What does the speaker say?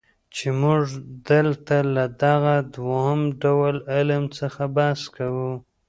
چي موږ دلته له دغه دووم ډول علم څخه بحث کوو.